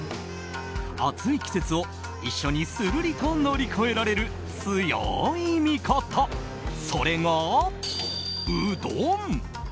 暑い季節を一緒にするりと乗り越えられる強い味方、それがうどん！